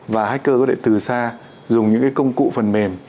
và hacker có thể từ xa dùng những cái công cụ phần mềm